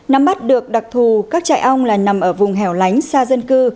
nắm bắt được đặc thù các trại ong là nằm ở vùng hẻo lánh xa dân cư